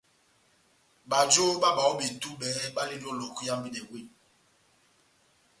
Bajo bá bayɔbi tubɛ balindi ó Lohoko ihambidɛ weh.